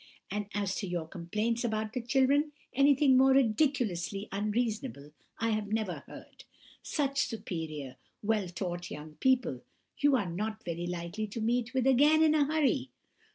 and as to your complaints about the children, anything more ridiculously unreasonable I never heard! Such superior, well taught young people, you are not very likely to meet with again in a hurry!